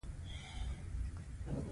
زده کړه ښځو ته د کار پیدا کولو مهارت ورکوي.